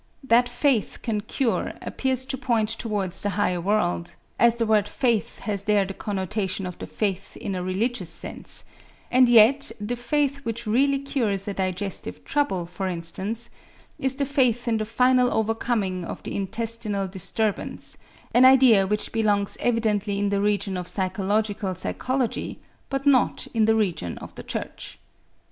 That faith can cure appears to point towards the higher world, as the word faith has there the connotation of the faith in a religious sense; and yet the faith which really cures a digestive trouble, for instance, is the faith in the final overcoming of the intestinal disturbance, an idea which belongs evidently in the region of physiological psychology, but not in the region of the church.